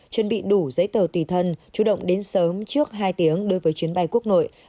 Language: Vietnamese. chuẩn bị đủ giấy tờ tùy thân chủ động đến sớm trước hai tiếng đối với chuyến bay quốc nội